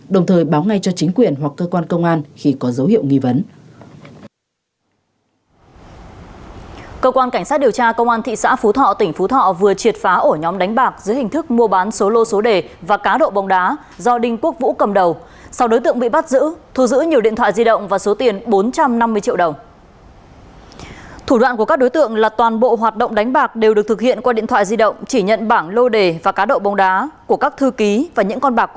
đồng thời báo ngay cho chính quyền hoặc cơ quan công an khi có dấu hiệu nghi vấn